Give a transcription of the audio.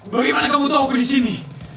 bagaimana kamu tahu aku disini